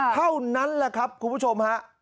เท่านั้นแหละครับคุณผู้ชมฮะ